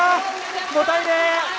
５対０！